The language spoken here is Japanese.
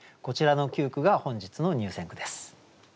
こちらの９句が本日の入選句です。